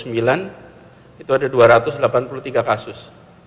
sampai dengan kemarin tanggal dua puluh sembilan itu ada dua ratus delapan puluh tiga kasus